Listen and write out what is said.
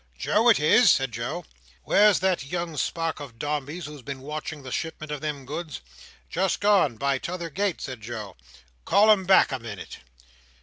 "Joe it is!" said Joe. "Where's that young spark of Dombey's who's been watching the shipment of them goods?" "Just gone, by tt'other gate," said Joe. "Call him back a minute."